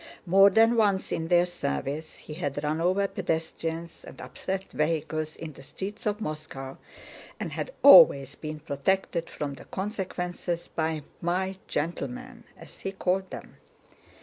More than once in their service he had run over pedestrians and upset vehicles in the streets of Moscow and had always been protected from the consequences by "my gentlemen" as he called them.